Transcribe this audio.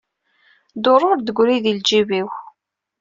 Dduru ur d-teggri di lǧib-iw.